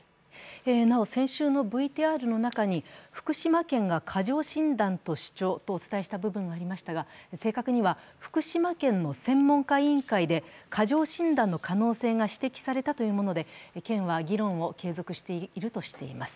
なお、先週のＶＴＲの中に福島県が過剰診断と主張したという部分がありましたが福島県の専門家委員会で過剰診断の可能性が指摘されたというもので、県は議論を継続しているとしています。